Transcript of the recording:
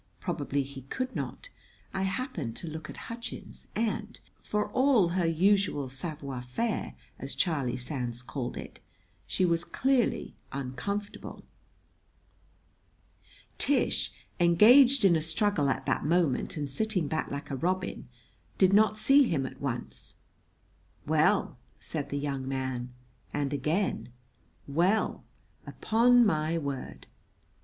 Probably he could not. I happened to look at Hutchins, and, for all her usual savoir faire, as Charlie Sands called it, she was clearly uncomfortable. Tish, engaged in a struggle at that moment and sitting back like a robin, did not see him at once. "Well!" said the young man; and again: "Well, upon my word!"